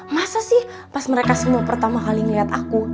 masa sih pas mereka semua pertama kali ngeliat aku